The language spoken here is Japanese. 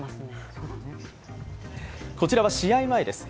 こちらは試合前です。